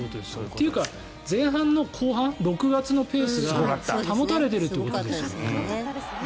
っていうか前半の後半６月のペースが保たれているということです。